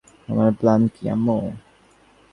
আমার প্ল্যান কী, আম্মু?